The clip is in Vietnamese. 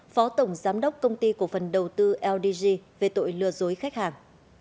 phó tổng giám đốc công ty cổ phần đầu tư ldg về tội lừa dối khách hàng